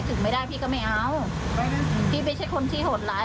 ถึงไม่ได้พี่ก็ไม่เอาพี่ไม่ใช่คนที่โหดร้าย